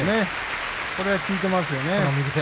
これが効いていますよね。